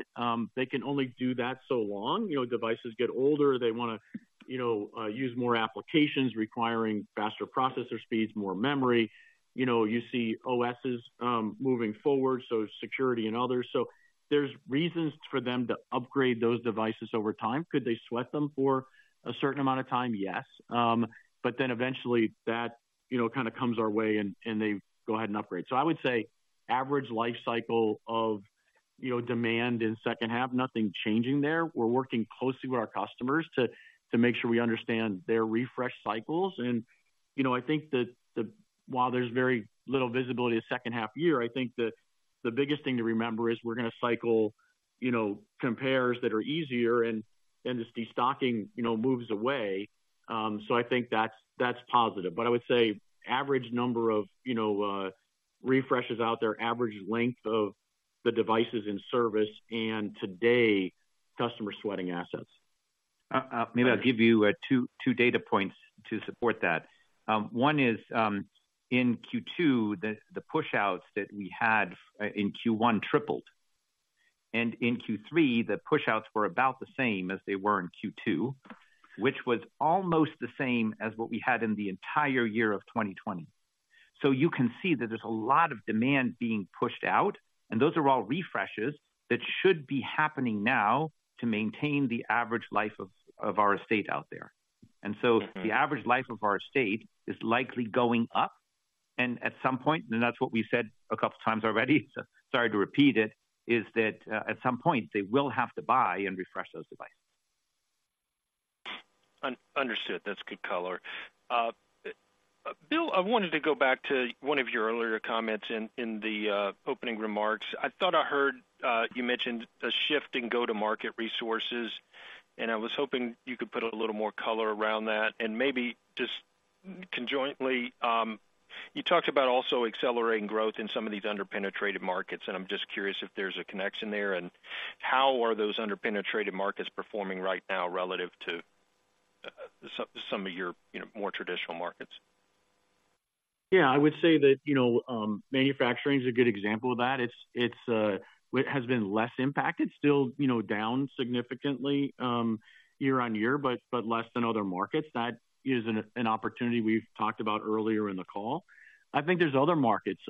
They can only do that so long. You know, devices get older, they want to, you know, use more applications requiring faster processor speeds, more memory. You know, you see OSes moving forward, so security and others. So there's reasons for them to upgrade those devices over time. Could they sweat them for a certain amount of time? Yes. But then eventually that, you know, kind of comes our way, and, and they go ahead and upgrade. So I would say average life cycle of, you know, demand in second half, nothing changing there. We're working closely with our customers to make sure we understand their refresh cycles. And, you know, I think that while there's very little visibility of the second half year, I think the biggest thing to remember is we're going to cycle. you know, compares that are easier, and then the destocking, you know, moves away. So I think that's, that's positive. But I would say average number of, you know, refreshes out there, average length of the devices in service and today, customer sweating assets. Maybe I'll give you two data points to support that. One is in Q2, the push-outs that we had in Q1 tripled. In Q3, the push-outs were about the same as they were in Q2, which was almost the same as what we had in the entire year of 2020. So you can see that there's a lot of demand being pushed out, and those are all refreshes that should be happening now to maintain the average life of our estate out there. And so the average life of our estate is likely going up, and at some point, and that's what we said a couple times already, sorry to repeat it, is that, at some point they will have to buy and refresh those devices. Understood. That's good color. Bill, I wanted to go back to one of your earlier comments in the opening remarks. I thought I heard you mention a shift in go-to-market resources, and I was hoping you could put a little more color around that. And maybe just conjointly, you talked about also accelerating growth in some of these under-penetrated markets, and I'm just curious if there's a connection there, and how are those under-penetrated markets performing right now relative to some of your, you know, more traditional markets? Yeah, I would say that, you know, manufacturing is a good example of that. It has been less impacted, still, you know, down significantly, year-on-year, but less than other markets. That is an opportunity we've talked about earlier in the call. I think there's other markets.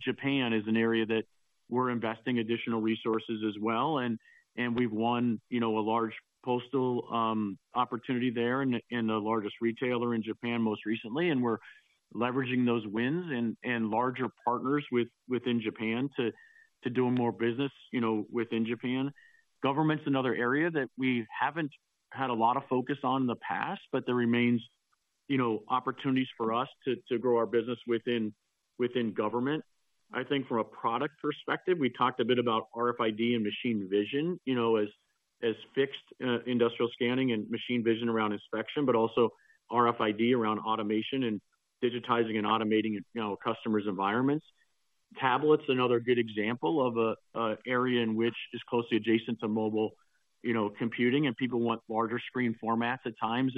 Japan is an area that we're investing additional resources as well, and we've won, you know, a large postal opportunity there in the largest retailer in Japan most recently, and we're leveraging those wins and larger partners within Japan to doing more business, you know, within Japan. Government's another area that we haven't had a lot of focus on in the past, but there remains, you know, opportunities for us to grow our business within government. I think from a product perspective, we talked a bit about RFID and Machine Vision, you know, as Fixed Industrial Scanning and Machine Vision around inspection, but also RFID around automation and digitizing and automating, you know, customers' environments. Tablets another good example of a area in which is closely adjacent to mobile, you know, computing, and people want larger screen formats at times,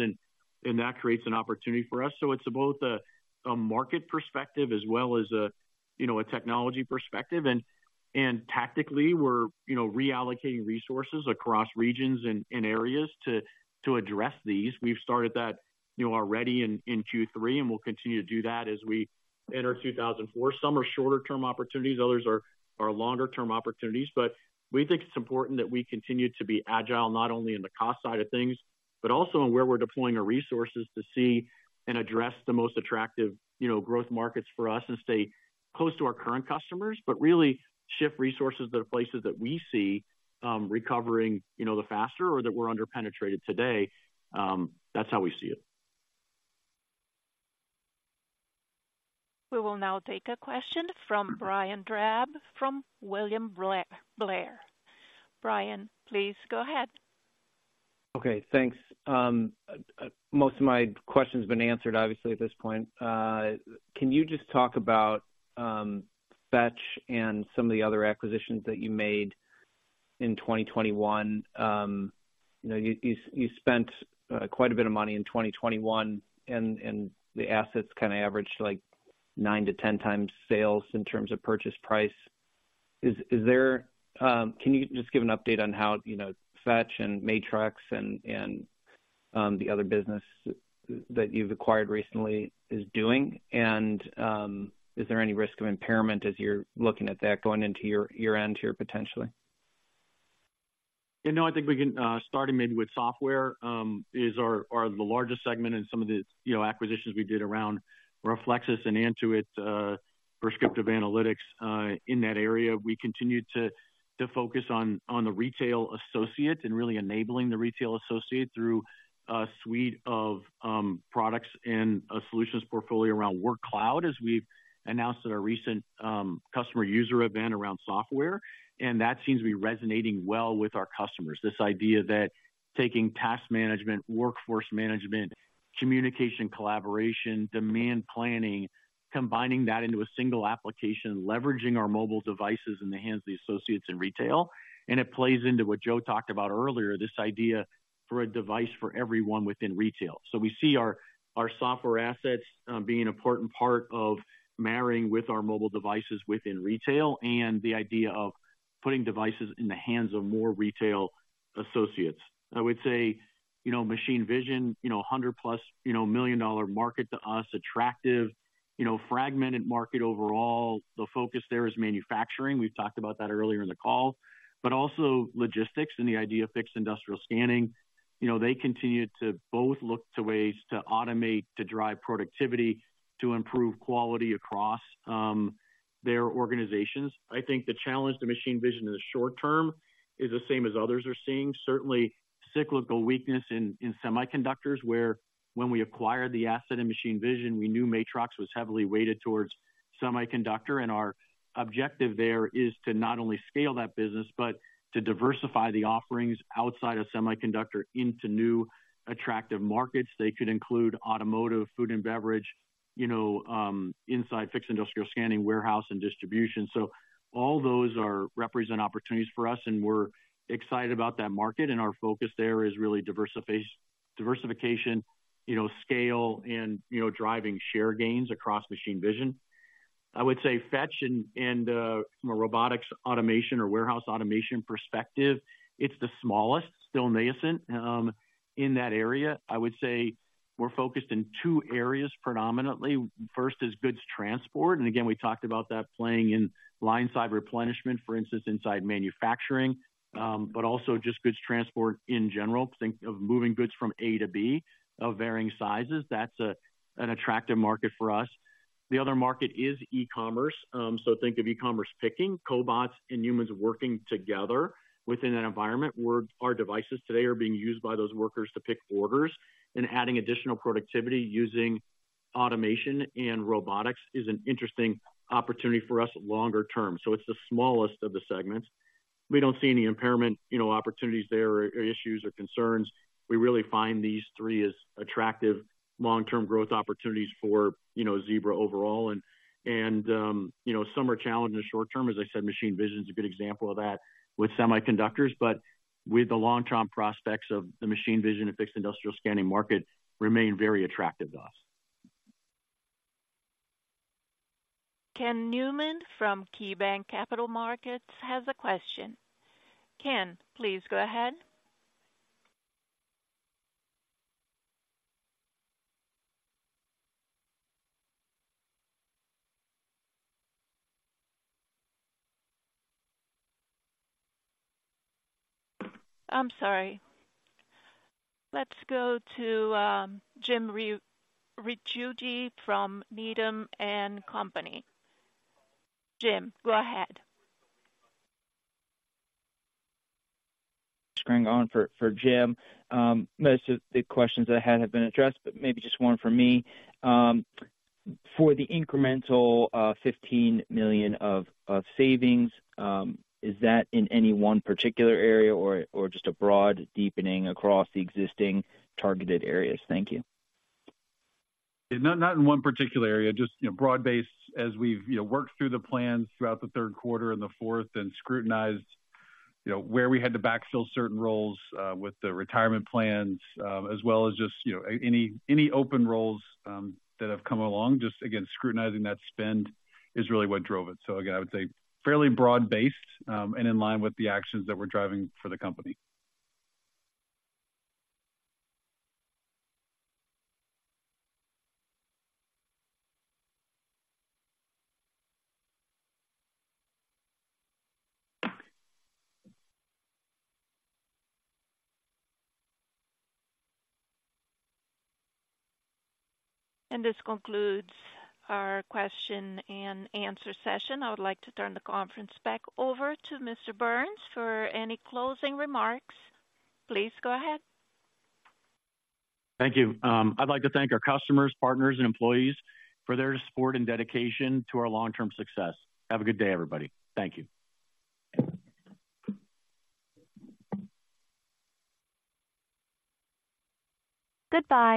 and that creates an opportunity for us. So it's both a market perspective as well as a, you know, a technology perspective. And tactically, we're, you know, reallocating resources across regions and areas to address these. We've started that, you know, already in Q3, and we'll continue to do that as we enter 2004. Some are shorter term opportunities, others are longer term opportunities. We think it's important that we continue to be agile, not only in the cost side of things, but also in where we're deploying our resources to see and address the most attractive, you know, growth markets for us and stay close to our current customers, but really shift resources to the places that we see, recovering, you know, the faster or that we're under-penetrated today. That's how we see it. We will now take a question from Brian Drab, from William Blair. Brian, please go ahead. Okay, thanks. Most of my question's been answered, obviously, at this point. Can you just talk about Fetch and some of the other acquisitions that you made in 2021? You know, you spent quite a bit of money in 2021, and the assets kinda averaged, like, 9-10 times sales in terms of purchase price. Is there, Can you just give an update on how, you know, Fetch and Matrox and the other business that you've acquired recently is doing? And is there any risk of impairment as you're looking at that going into your year-end, potentially? You know, I think we can, starting maybe with software, is our the largest segment in some of the, you know, acquisitions we did around Reflexis and Antuit, Prescriptive Analytics. In that area, we continued to focus on the retail associate and really enabling the retail associate through a suite of products and a solutions portfolio around Workcloud, as we've announced at our recent customer user event around software, and that seems to be resonating well with our customers. This idea that taking task management, workforce management, communication, collaboration, demand planning, combining that into a single application, leveraging our mobile devices in the hands of the associates in retail, and it plays into what Joe talked about earlier, this idea for a device for everyone within retail. So we see our software assets being an important part of marrying with our mobile devices within retail and the idea of putting devices in the hands of more retail associates. I would say, you know, Machine Vision, you know, a $100 million+ market to us, attractive, you know, fragmented market overall. The focus there is manufacturing. We've talked about that earlier in the call, but also logistics and the idea of Fixed Industrial Scanning. You know, they continue to both look to ways to automate, to drive productivity, to improve quality across their organizations. I think the challenge to Machine Vision in the short term is the same as others are seeing. Certainly, cyclical weakness in semiconductors, where when we acquired the asset in Machine Vision, we knew Matrox was heavily weighted towards semiconductor, and our objective there is to not only scale that business, but to diversify the offerings outside of semiconductor into new attractive markets. They could include automotive, food and beverage, you know, inside Fixed Industrial Scanning, warehouse and distribution. So all those represent opportunities for us, and we're excited about that market, and our focus there is really diversification, you know, scale and, you know, driving share gains across Machine Vision. I would say Fetch and from a Robotics Automation or warehouse automation perspective, it's the smallest, still nascent, in that area. I would say we're focused in two areas predominantly. First is goods transport, and again, we talked about that playing in line side replenishment, for instance, inside manufacturing, but also just goods transport in general. Think of moving goods from A to B of varying sizes. That's an attractive market for us. The other market is e-commerce. So think of e-commerce picking, cobots and humans working together within an environment where our devices today are being used by those workers to pick orders and adding additional productivity using automation and robotics is an interesting opportunity for us longer term. So it's the smallest of the segments. We don't see any impairment, you know, opportunities there or issues or concerns. We really find these three as attractive long-term growth opportunities for, you know, Zebra overall. And, you know, some are challenged in the short term. As I said, Machine Vision is a good example of that with semiconductors, but with the long-term prospects of the Machine Vision and Fixed Industrial Scanning market remain very attractive to us. Ken Newman from KeyBanc Capital Markets has a question. Ken, please go ahead. I'm sorry. Let's go to Jim Ricchiuti from Needham and Company. Jim, go ahead. For Jim. Most of the questions I had have been addressed, but maybe just one from me. For the incremental $15 million of savings, is that in any one particular area or just a broad deepening across the existing targeted areas? Thank you. Not, not in one particular area, just, you know, broad-based. As we've, you know, worked through the plans throughout the third quarter and the fourth and scrutinized, you know, where we had to backfill certain roles with the retirement plans, as well as just, you know, any open roles that have come along, just again, scrutinizing that spend is really what drove it. So again, I would say fairly broad-based, and in line with the actions that we're driving for the company. This concludes our question and answer session. I would like to turn the conference back over to Mr. Burns for any closing remarks. Please go ahead. Thank you. I'd like to thank our customers, partners, and employees for their support and dedication to our long-term success. Have a good day, everybody. Thank you. Goodbye.